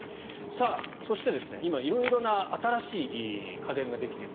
そして、今色々な新しい家電ができている。